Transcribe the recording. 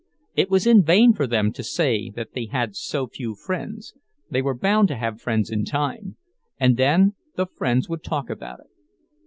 It was in vain for them to say that they had so few friends; they were bound to have friends in time, and then the friends would talk about it.